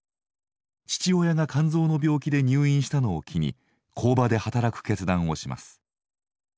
父親が肝臓の病気で入院したのを機に工場で働く決断をします。